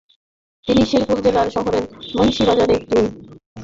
তিনি শেরপুর জেলা শহরের মুন্সি বাজারের একটি রড-সিমেন্টের দোকানে শ্রমিকের কাজ করেন।